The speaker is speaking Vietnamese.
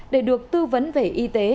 để được tư vấn về y tế